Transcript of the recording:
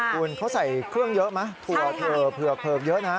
คุณเขาใส่เครื่องเยอะไหมถั่วเถอะเผือกเยอะนะ